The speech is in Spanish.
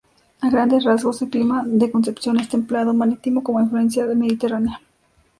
A grandes rasgos, el clima de Concepción es templado marítimo con influencia mediterránea.